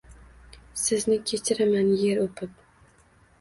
Sizni kechiraman yer oʻpib